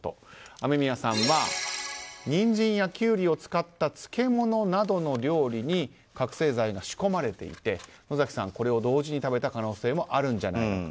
雨宮さんはニンジンやキュウリを使った漬物などの料理に覚醒剤が仕込まれていて野崎さんはこれを同時に食べた可能性もあるんじゃないかと。